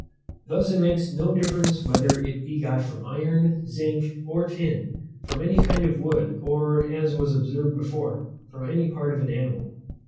Thus it makes no difference whether it be got from iron, zinc, or tin, from any kind of wood, or, as was observed before, from any part of an animal.